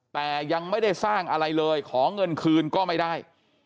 แต่ยังไม่ได้สร้างอะไรเลยขอเงินคืนก็ไม่ได้